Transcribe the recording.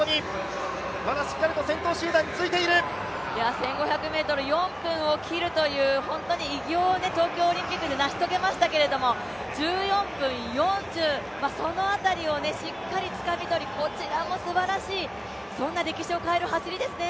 １５００ｍ４分を切るという偉業を東京オリンピックで成し遂げましたけど１４分４０、その辺りをしっかりつかみ取り、こちらもすばらしい、そんな歴史を変える走りですね。